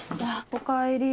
おかえり。